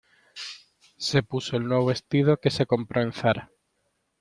Se puso el nuevo vestido que se compró en Zara.